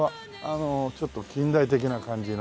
ちょっと近代的な感じの。